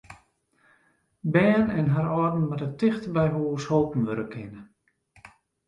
Bern en harren âlden moatte tichteby hús holpen wurde kinne.